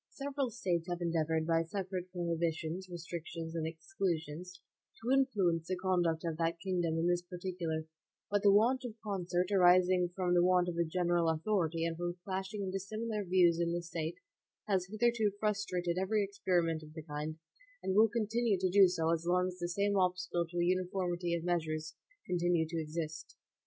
(1) Several States have endeavored, by separate prohibitions, restrictions, and exclusions, to influence the conduct of that kingdom in this particular, but the want of concert, arising from the want of a general authority and from clashing and dissimilar views in the State, has hitherto frustrated every experiment of the kind, and will continue to do so as long as the same obstacles to a uniformity of measures continue to exist.